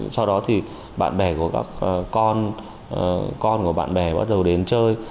sau đó thì bạn bè của các con của bạn bè bắt đầu đến chơi